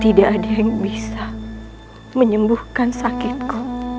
tidak ada yang bisa menyembuhkan sakitku